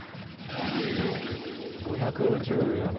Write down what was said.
５１４人。